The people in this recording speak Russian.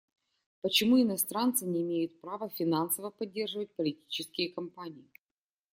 Почему иностранцы не имеют права финансово поддерживать политические кампании?